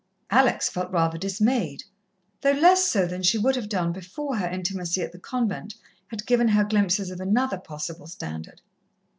Alex felt rather dismayed, though less so than she would have done before her intimacy at the convent had given her glimpses of another possible standard.